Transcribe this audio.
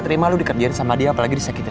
terima lu dikerjain sama dia apalagi disakitin